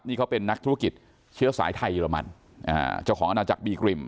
นี่เขาเป็นนักธุรกิจเชื้อสายไทยเยอรมันเจ้าของอาณาจักรบีกริม